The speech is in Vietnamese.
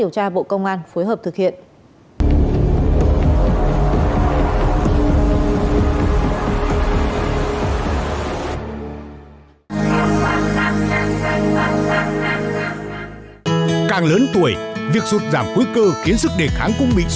và cơ quan cảnh sát điều tra bộ công an phối hợp thực hiện